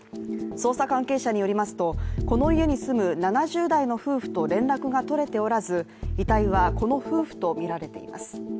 捜査関係者によりますと、この家に住む７０代の夫婦と連絡が取れておらず遺体はこの夫婦とみられています。